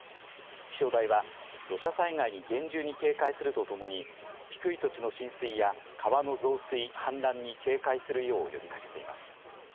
気象台は土砂災害に厳重に警戒するとともに低い土地の浸水や川の増水氾濫に警戒するよう呼びかけています。